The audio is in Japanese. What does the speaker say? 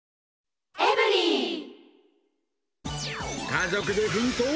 家族で奮闘！